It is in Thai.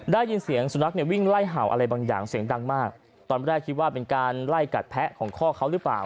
ได้ยินเสียงสุนัขเนี่ยวิ่งไล่เห่าอะไรบางอย่างเสียงดังมากตอนแรกคิดว่าเป็นการไล่กัดแพะของข้อเขาหรือเปล่า